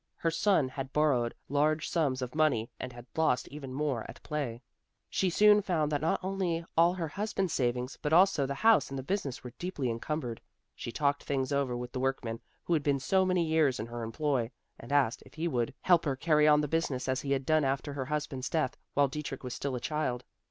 Her son had borrowed large sums of money and had lost even more at play. She soon found that not only all her husband's savings, but also the house and the business were deeply encumbered. She talked things over with the workman who had been so many years in her employ and asked if he would help her carry on the business as he had done after her husband's death while Dietrich was still a child.